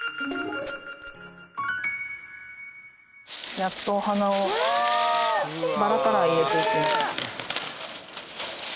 やっとお花をバラから入れていきます。